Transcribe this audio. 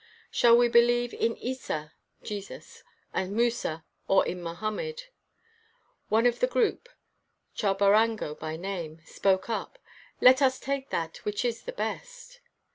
Shall we believe in Isa [Jesus] and Musa or in Mohammed?" One of the group, Chambarango by name, spoke up: "Let us take that which is the best."